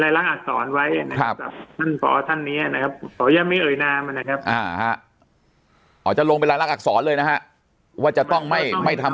ได้ล่ะอ๋อจะลงรักษีอักษรเลยนะครับว่าจะต้องไม่ไม่ทำ